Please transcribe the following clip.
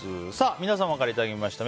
皆様からいただきました